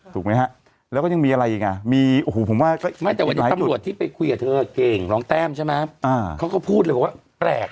ถูกไหมคะแล้วก็ยังมีอะไรอีกมีโอ้โหพูดว่า